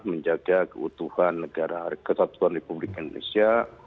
menjaga keutuhan negara kesatuan republik indonesia